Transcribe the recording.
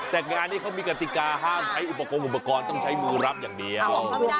แต่งานนี้เขามีกติกาห้ามใช้อุปกรณ์อุปกรณ์ต้องใช้มือรับอย่างเดียว